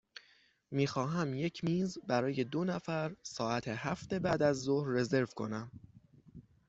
می خواهم یک میز برای دو نفر ساعت هفت بعدازظهر رزرو کنم.